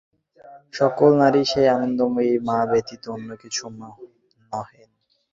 সকল নারীই সেই আনন্দময়ী মা ব্যতীত অন্য কিছু নহেন।